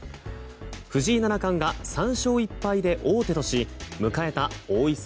藤井七冠が３勝１敗で王手とし迎えた王位戦